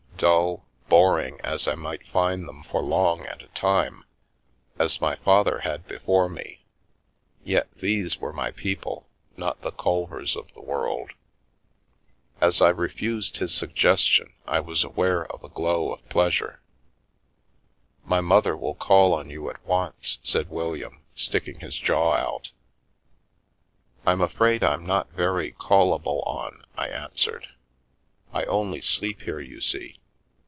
Dull, boring, as I might find them for long at a time — as my father had before me — yet these were my people, not the Culvers of this world. As I refused his suggestion, I was aware of a glow of pleasure. " My mother will call on you at once," said William, sticking his jaw out. " I'm afraid I'm not very callable on," I answered. " I only sleep here, you see.